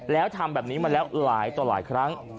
แล้วทำแบบนี้มาแล้วหลายต่อหลายครั้ง